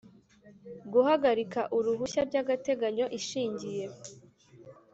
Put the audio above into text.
guhagarika uruhushya by agateganyo ishingiye